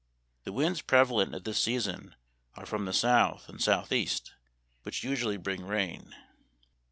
The winds prevalent at this season are from the south and south east, which usually bring rain.